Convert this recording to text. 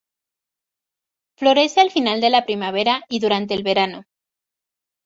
Florece a final de la primavera y durante el verano.